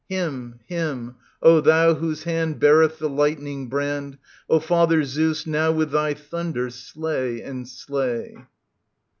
Him, Him, O thou whose hand Beareth the lightning brand, O Father Zeus, now with thy thunder, slay and slay